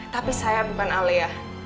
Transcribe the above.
tapi saya beban aleah